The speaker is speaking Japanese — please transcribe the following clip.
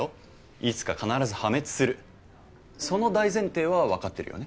いつか必ず破滅するその大前提は分かってるよね？